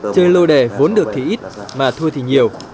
chơi lô đề vốn được thì ít mà thôi thì nhiều